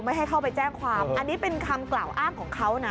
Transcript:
ให้เข้าไปแจ้งความอันนี้เป็นคำกล่าวอ้างของเขานะ